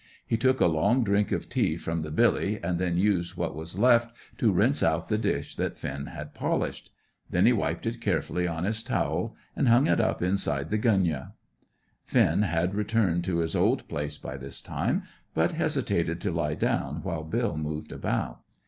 He took a long drink of tea from the billy, and then used what was left to rinse out the dish that Finn had polished. Then he wiped it carefully on his towel, and hung it up inside the gunyah. Finn had returned to his old place by this time, but hesitated to lie down while Bill moved about.